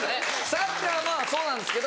サッカーはそうなんですけど。